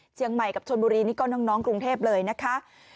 เชียงใหม่กับชนบุรีนี่ก็น้องกรุงเทพฯเลยนะคะ